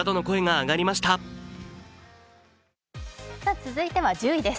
続いては１０位です。